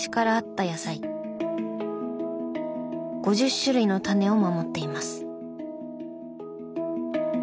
５０種類のタネを守っています。